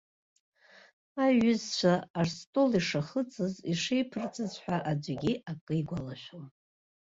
Аиҩызцәа астол ишахыҵыз, ишеиԥырҵыз ҳәа аӡәгьы акы игәалашәом.